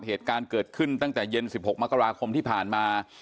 เหตุการณ์เกิดขึ้นตั้งแต่เย็น๑๖มกราคมที่ผ่านมา